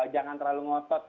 jangan terlalu ngosot